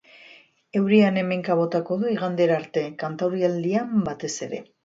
Euria han-hemenka botako du igandera arte, kantaurialdean batez ere.